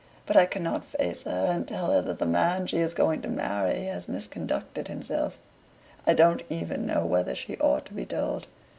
But I cannot face her and tell her that the man she is going to marry has misconducted himself. I don't even know whether she ought to be told.